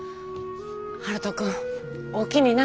悠人君おおきにな。